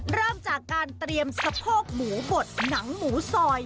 เริ่มจากการเตรียมสะโพกหมูบดหนังหมูซอย